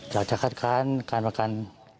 อยากจะคัดการณ์การประกัน